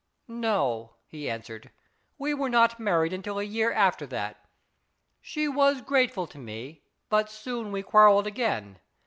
" No," he answered, " we were not married until a year after that. She was grateful to me, but soon we quarrelled again.